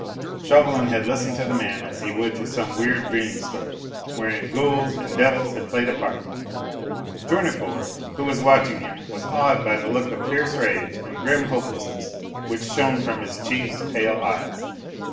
Chauvelin had listened to the man as he would to some weird dream story, wherein ghouls and devils had played a part. Tournefort, who was watching him, was awed by the look of fierce rage and grim hopelessness which shone from his chief's pale eyes.